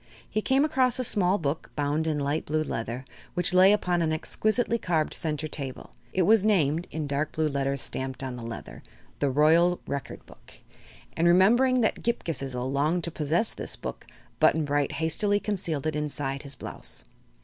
He came across a small book, bound in light blue leather, which lay upon an exquisitely carved center table. It was named, in dark blue letters stamped on the leather, "The Royal Record Book," and remembering that Ghip Ghisizzle longed to possess this book Button Bright hastily concealed it inside his blouse.